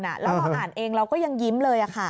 แล้วพออ่านเองเราก็ยังยิ้มเลย